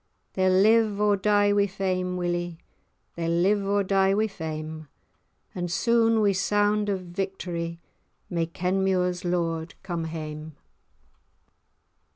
They'll live, or die wi' fame, Willie, They'll live, or die wi' fame, And soon wi' sound o' victorie May Kenmure's lord come hame."